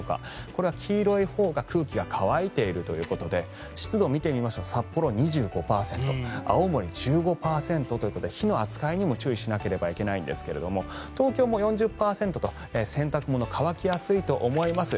これは黄色いほうが空気が乾いているということで湿度を見てみますと札幌は２５％青森１５％ということで火の扱いにも注意しなければいけないんですけれども東京も４０％と洗濯物が乾きやすいと思います。